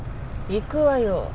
行くわよ。